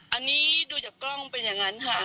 อันนี้ดูจากกล้องเป็นอย่างนั้นค่ะ